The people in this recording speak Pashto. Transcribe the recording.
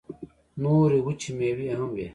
نورې وچې مېوې هم وې.